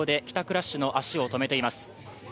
ラッシュの足を止めています。